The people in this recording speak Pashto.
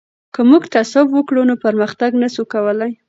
که موږ تعصب وکړو نو پرمختګ نه سو کولای.